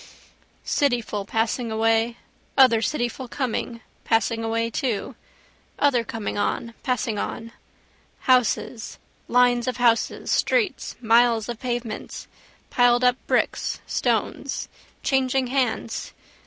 Cityful passing away, other cityful coming, passing away too: other coming on, passing on. Houses, lines of houses, streets, miles of pavements, piledup bricks, stones. Changing hands.